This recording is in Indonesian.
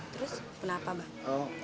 terus kenapa mbak